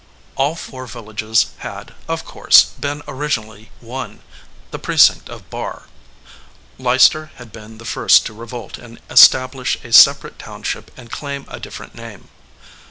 All four vil lages had, of course, been originally one, the Pre cinct of Barr. Leicester had been the first to re volt and establish a separate township and claim a 128 THE OUTSIDE OF THE HOUSE different name.